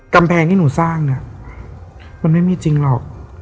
กำแพงที่หนูสร้างเนี่ยมันไม่มีจริงหรอก